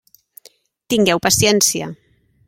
Tingueu paciència!